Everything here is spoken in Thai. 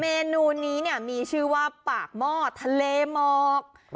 เมนูนี้ก็มีชื่อแบบปากหม้อทะเลหมอก